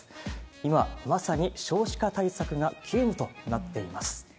今、まさに少子化対策が急務となっています。